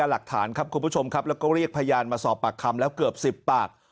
แล้วก็เรียกพยานมาสอบปากคำแล้วเกือบสิบปาก